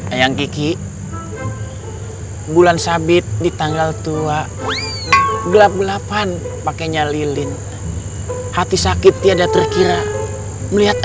ayang kiki bulan sabit di tanggal tua gelap gelapan pakainya lilin hati sakit tiada terkira melihat